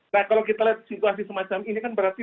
nah kalau kita lihat situasi semacam ini kan berarti